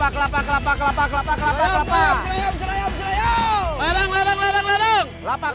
ladang ladang ladang